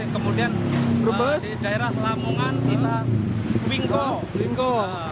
kemudian di daerah lamongan kita bingko